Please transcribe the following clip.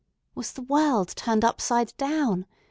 Was the world turned upside down?